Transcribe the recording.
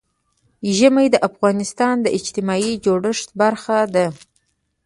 ژمی د افغانستان د اجتماعي جوړښت برخه ده.